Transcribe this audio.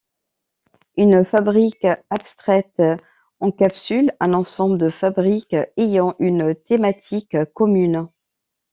Une fabrique abstraite encapsule un ensemble de fabriques ayant une thématique commune.